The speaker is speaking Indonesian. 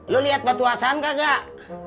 lo liat batu asan kagak